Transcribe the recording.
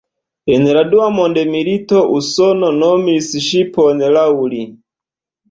En la dua mondmilito Usono nomis ŝipon laŭ li.